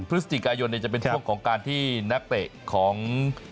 พฤศจิกายนจะเป็นช่วงของการที่นักเตะของ